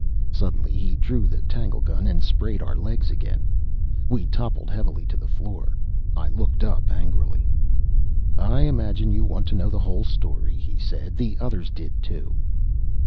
Suddenly he drew the tanglegun and sprayed our legs again. We toppled heavily to the floor. I looked up angrily. "I imagine you want to know the whole story," he said. "The others did, too."